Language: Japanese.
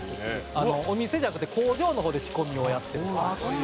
「お店じゃなくて工場の方で仕込みをやってるんです」